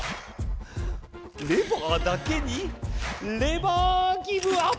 レバーだけにレバーギブアップ！